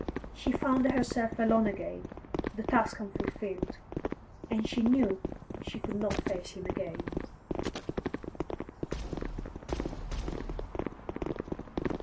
She found herself alone again, the task unfulfilled. And she knew that she could not face him again.